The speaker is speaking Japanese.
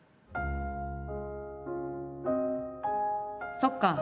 そっか。